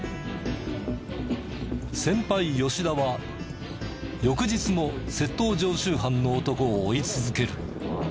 先輩吉田は翌日も窃盗常習犯の男を追い続ける。